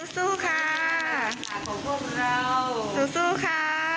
ซูซูค่ะ